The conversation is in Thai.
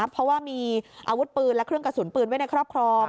เพราะว่ามีอาวุธปืนและเครื่องกระสุนปืนไว้ในครอบครอง